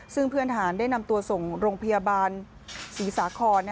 ซึ่งเพื่อนฐานได้นำตัวส่งโรงพยาบาลศรีสาคร